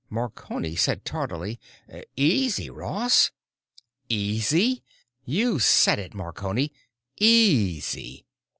Marconi said tardily, "Easy, Ross." "Easy! You've said it, Marconi: 'Easy.